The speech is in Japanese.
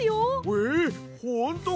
えっほんとかや！